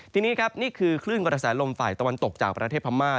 ทีนี้ครับนี่คือคลื่นกระแสลมฝ่ายตะวันตกจากประเทศพม่า